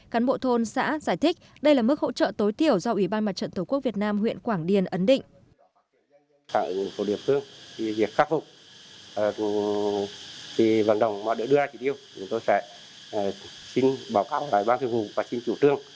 cán bộ thôn xã giải thích đây là mức hỗ trợ tối thiểu do ubnd tổ quốc việt nam huyện quảng điên ấn định